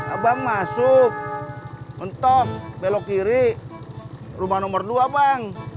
abang masuk mentok belok kiri rumah nomor dua bang